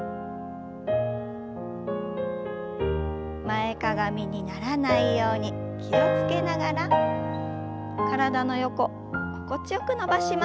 前かがみにならないように気を付けながら体の横心地よく伸ばします。